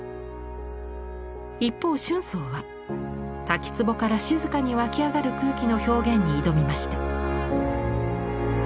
一方春草は滝つぼから静かに湧き上がる空気の表現に挑みました。